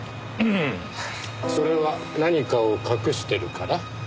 それは何かを隠してるから？